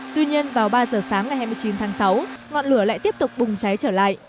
tuy nhiên vào ba giờ sáng ngày hai mươi chín tháng sáu ngọn lửa lại tiếp tục bùng cháy trở lại